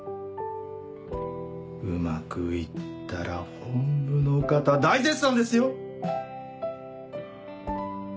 うまく行ったら本部の方大絶賛ですよ